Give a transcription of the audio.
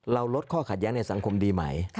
เราลดข้อขาดแย้งในสังคมดีไหม